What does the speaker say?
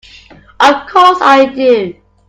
Of course I do!